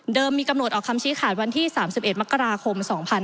มีกำหนดออกคำชี้ขาดวันที่๓๑มกราคม๒๕๕๙